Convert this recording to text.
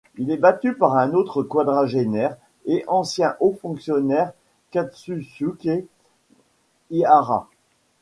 Il est battu par un autre quadragénaire et ancien haut fonctionnaire, Katsusuke Ihara.